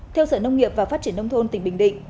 theo sở nông nghiệp và phát triển nông thôn tỉnh bình định